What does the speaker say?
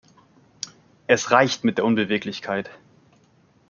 Es reicht mit der Unbeweglichkeit!